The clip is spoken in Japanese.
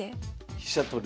飛車取る。